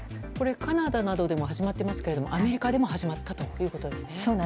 カナダなどでも始まってますがアメリカでも始まったということですね。